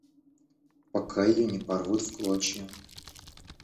Пока ее не порвут в клочья.